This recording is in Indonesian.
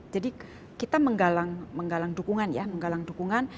jadi kita menggalang dukungan ya menggalang dukungan